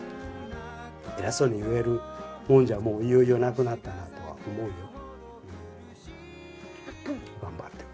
偉そうに言えるもんじゃいよいよなくなったなとは思うよ。